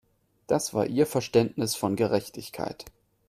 Das war ihr Verständnis von Gerechtigkeit.